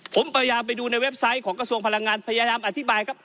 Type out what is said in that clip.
ผมพยายามไปดูในเว็บไซต์ของกระทรวงพลังงานพยายามอธิบายครับ